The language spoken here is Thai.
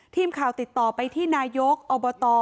ทีมข่าวติดต่อไปที่นายกอบต